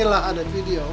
inilah ada video